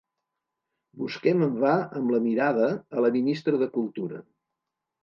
Busquem en va amb la mirada a la ministra de Cultura.